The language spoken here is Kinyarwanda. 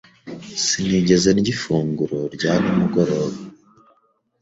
Sinigeze ndya ifunguro rya nimugoroba.